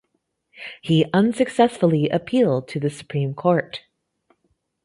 He unsuccessfully appealed to the Supreme Court.